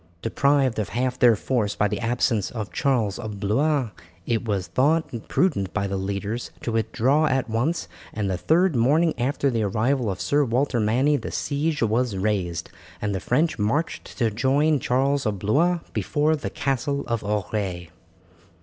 Deprived of half their force by the absence of Charles of Blois, it was thought prudent by the leaders to withdraw at once, and the third morning after the arrival of Sir Walter Manny the siege was raised, and the French marched to join Charles of Blois before the Castle of Auray.